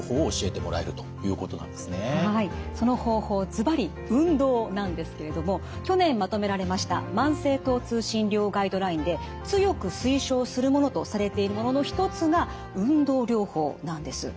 その方法ずばり運動なんですけれども去年まとめられました慢性疼痛診療ガイドラインで強く推奨するものとされているものの一つが運動療法なんです。